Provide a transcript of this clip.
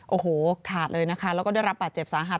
โอ้โหขาดเลยนะคะแล้วก็ได้รับบาดเจ็บสาหัส